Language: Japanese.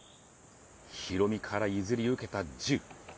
ヒロミから譲り受けた銃。